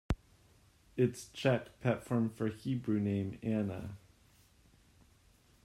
It's Czech petform for Hebrew name Anna.